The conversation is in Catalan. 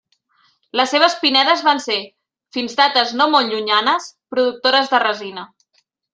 Les seves pinedes van ser, fins dates no molt llunyanes, productores de resina.